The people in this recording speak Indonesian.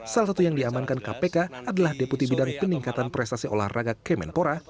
salah satu yang diamankan kpk adalah deputi bidang peningkatan prestasi olahraga kemenpora